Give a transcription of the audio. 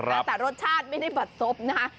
แต่ว่ารสชาติไม่ได้บัตรทรอบนะคะ